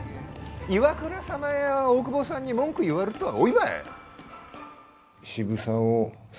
岩倉様や大久保さんに文句言わるっとは、おいばい。